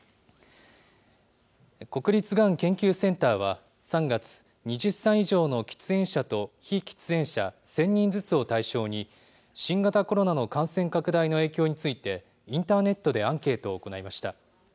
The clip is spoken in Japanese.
国立がん研究センターは３月、２０歳以上の喫煙者と非喫煙者１０００人ずつを対象に、新型コロナの感染拡大の影響について、インターネットでアンケートを行いました。